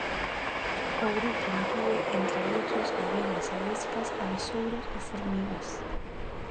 O grupo inclúe, entre outros, abellas, avespas, abesouros e formigas.